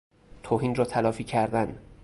توهین را تلافی کردن